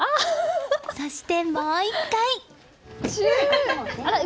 そして、もう１回チュー！